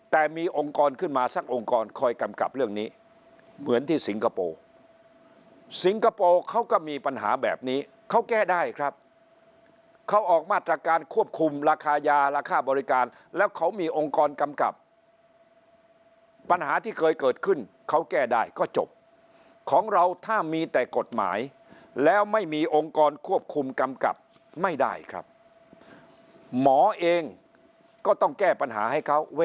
แต่มีองค์กรขึ้นมาสักองค์กรคอยกำกับเรื่องนี้เหมือนที่สิงคโปร์สิงคโปร์เขาก็มีปัญหาแบบนี้เขาแก้ได้ครับเขาออกมาตรการควบคุมราคายาราคาบริการแล้วเขามีองค์กรกำกับปัญหาที่เคยเกิดขึ้นเขาแก้ได้ก็จบของเราถ้ามีแต่กฎหมายแล้วไม่มีองค์กรควบคุมกำกับไม่ได้ครับหมอเองก็ต้องแก้ปัญหาให้เขา